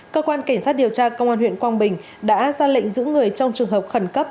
cơ quan cảnh sát điều tra công an huyện quang bình đã ra lệnh giữ người trong trường hợp khẩn cấp